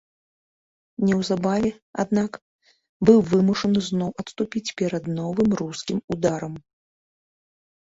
Неўзабаве, аднак, быў вымушаны зноў адступіць перад новым рускім ударам.